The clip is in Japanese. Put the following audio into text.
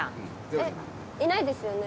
えっいないですよね？